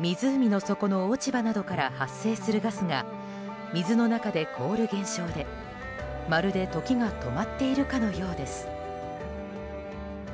湖の底の落ち葉などから発生するガスが水の中で凍る現象でまるで時が止まっているかのようです。